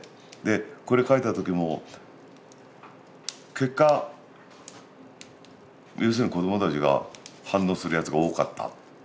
これ描いた時も結果要するに子どもたちが反応するやつが多かった。